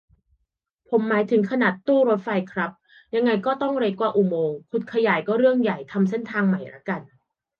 ผมหมายถึงขนาดตู้รถไฟครับ ยังไงก็ต้องเล็กกว่าอุโมงค์ ขุดขยายก็เรื่องใหญ่ ทำเส้นใหม่ละกัน